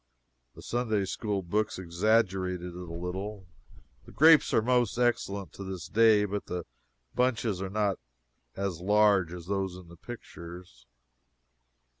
The Sunday school books exaggerated it a little. The grapes are most excellent to this day, but the bunches are not as large as those in the pictures.